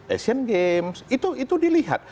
asian games itu dilihat